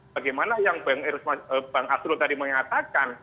bagaimana yang bang asrul tadi mengatakan